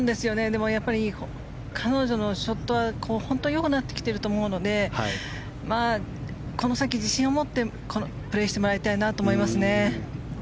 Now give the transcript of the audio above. でも、彼女のショットは本当によくなってきてると思うのでこの先、自信を持ってプレーしてもらいたいと思いますね。